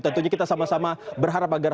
tentunya kita sama sama berharap agar